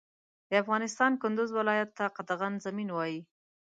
د افغانستان کندوز ولایت ته قطغن زمین وایی